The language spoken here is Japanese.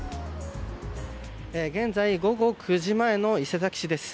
現在午後９時前の伊勢崎市です。